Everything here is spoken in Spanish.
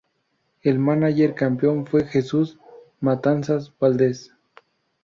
El mánager campeón fue Jesús "Matanzas" Valdez.